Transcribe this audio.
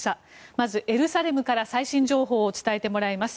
まずは、エルサレムから最新情報を伝えてもらいます。